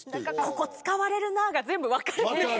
「ここ使われるな」が全部分かる。